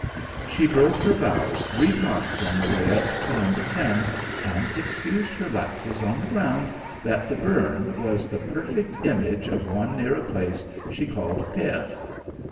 She broke her vows three times on the way up to number ten, and excused her lapses on the ground that the "burn" was the perfect image of one near a place she called "Pairth."